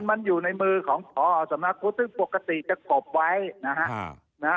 มันอยู่ในมือของพอสำนักพุทธซึ่งปกติจะกบไว้นะฮะ